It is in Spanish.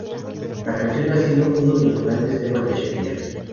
La canción ha sido uno de los grandes temas de Shakira.